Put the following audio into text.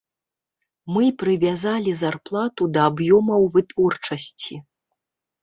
Мы прывязалі зарплату да аб'ёмаў вытворчасці.